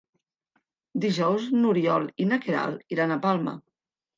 Dijous n'Oriol i na Queralt iran a Palma.